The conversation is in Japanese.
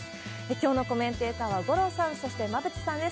きょうのコメンテーターは五郎さん、そして馬渕さんです。